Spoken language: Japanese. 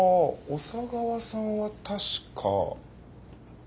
小佐川さんは確か。